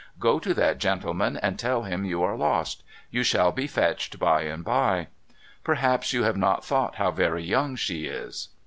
Go to that gentleman, and tell him you are lost. You shall be fetched by and by." Perhaps you have not thought how very young she is